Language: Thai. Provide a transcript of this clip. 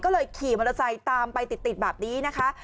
ก็เลยขี่มอเตอร์ไซค์ตามไปติดแบบนี้นะคะ